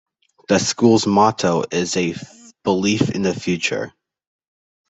The school's motto is A Belief in the Future.